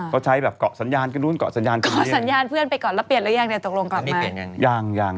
เค้าใช้แบบเกาะสัญญาณขึ้นนู้นเกาะสัญญาณขึ้นเนี่ยเกาะสัญญาณเพื่อนไปก่อนแล้วเปลี่ยนหรือยังเนี่ยตกลงก่อนมา